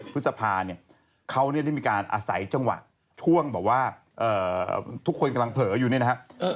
พฤษภาเนี่ยเขาได้มีการอาศัยจังหวะช่วงแบบว่าทุกคนกำลังเผลออยู่เนี่ยนะฮะ